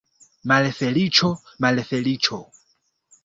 Malfeliĉo, malfeliĉo!